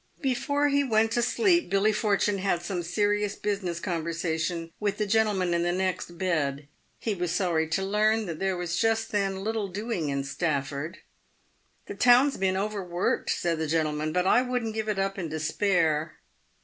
Before he went to sleep, Billy Fortune had some serious business conversation with the gentleman in the next bed. He was sorry to learn that there was just then little doing in Stafford. " The town's been overworked," said the gentleman, " but I wouldn't give it up in despair.